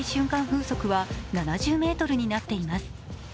風速は７０メートルになっています。